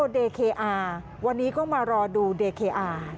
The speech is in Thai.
เดเคอาวันนี้ก็มารอดูเดเคอาร์